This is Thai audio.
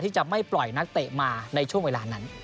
ที่จะไม่ปล่อยนักเตะมาในช่วงเวลานั้น